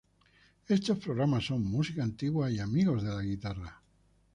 Estos programas son: Música Antigua y Amigos de la Guitarra.